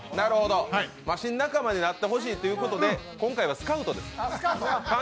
マシン仲間になってほしいということで、今回はスカウトです